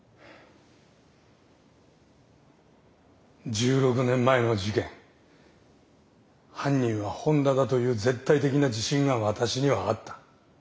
１６年前の事件犯人は本田だという絶対的な自信が私にはあった。